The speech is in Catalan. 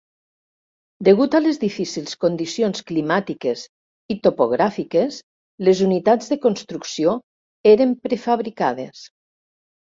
Degut a les difícils condicions climàtiques i topogràfiques, les unitats de construcció eren prefabricades.